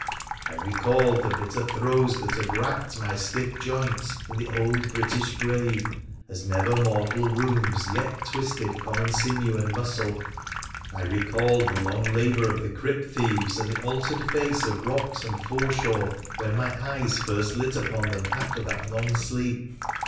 I recalled the bitter throes that had wracked my stiff joints in the old British grave as never mortal rheums yet twisted common sinew and muscle. I recalled the long labour of the crypt thieves, and the altered face of rocks and foreshore when my eyes first lit upon them after that long sleep.